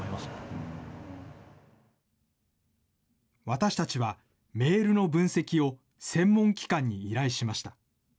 私たちは、メールの分析を専門機関に依頼しました。